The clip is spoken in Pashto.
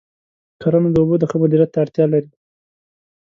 کرنه د اوبو د ښه مدیریت ته اړتیا لري.